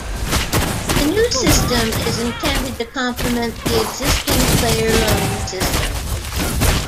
The new system is intended to complement the existing player loan system.